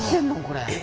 これ。